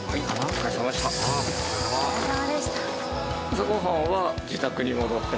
お疲れさまでした。